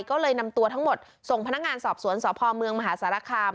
ก็เลยนำตัวทั้งหมดส่งพนักงานสอบสวนสพเมืองมหาสารคาม